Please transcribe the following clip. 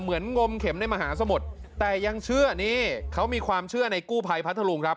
งมเข็มในมหาสมุทรแต่ยังเชื่อนี่เขามีความเชื่อในกู้ภัยพัทธรุงครับ